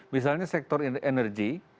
misalnya sektor energi